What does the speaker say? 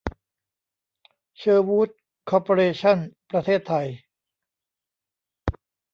เชอร์วู้ด คอร์ปอเรชั่น ประเทศไทย